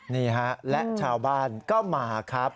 นี่ฮะและชาวบ้านก็มาครับ